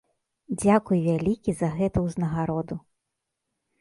Дзякуй вялікі за гэтую ўзнагароду.